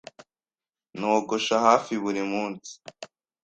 Nogosha hafi buri munsi.